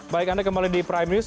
baik anda kembali di prime news